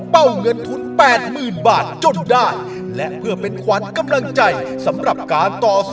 วันนี้ใจสุภิกษาค่ะ